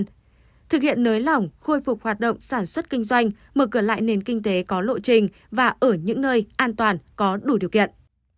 thực hiện nới lỏng khôi phục hoạt động sản xuất kinh doanh mở cửa lại nền kinh tế có lộ trình và ở những nơi an toàn có đủ điều kiện